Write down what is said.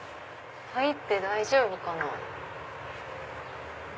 入って大丈夫かな？